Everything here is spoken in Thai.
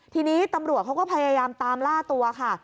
ทีนี้ตำรวจเขาก็พยายามตามล่าตัวค่ะ